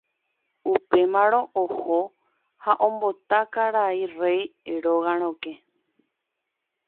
Upémarõ oho ha ombota karai rey róga rokẽ.